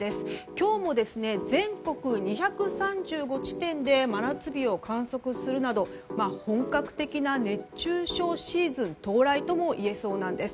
今日も全国２３５地点で真夏日を観測するなど本格的な熱中症シーズン到来とも言えそうなんです。